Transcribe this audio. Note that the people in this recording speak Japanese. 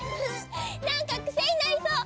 なんかくせになりそう！